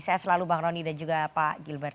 saya selalu bang rony dan juga pak gilbert